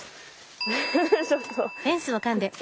フフフちょっと。